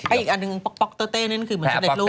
อีกอันหนึ่งป๊อกป๊อกเต้อเต้นั้นคือเหมือนสำเร็จลูก